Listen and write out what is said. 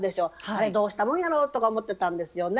あれどうしたもんやろとか思ってたんですよね。